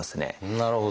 なるほど。